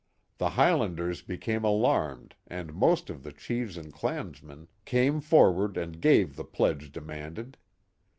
The Highlanders became alarmed and most of the chiefs and clansmen came forward and gave the pledge demanded.